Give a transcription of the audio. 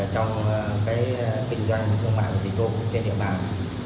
trong kinh doanh thương mại và dịch vụ trên địa bàn